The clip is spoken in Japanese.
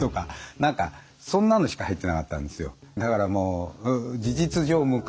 何かそんなのしか入ってなかったんですよ。